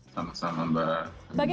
selamat malam mbak